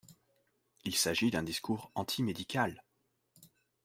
Il s'agit d'un discours anti-médical.